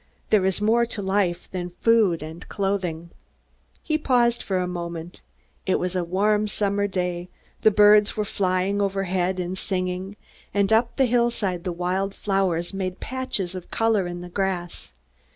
There is more to life than food and clothing." He paused for a moment. It was a warm summer day. The birds were flying overhead, and singing; and up the hillside the wild flowers made patches of color in the grass.